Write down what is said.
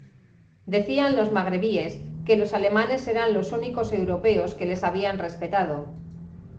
Decía los magrebíes que los alemanes eran los únicos europeos que les habían respetado.